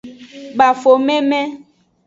Bafo meme.